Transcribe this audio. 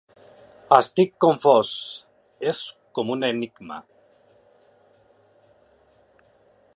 Estic confós, és com un enigma.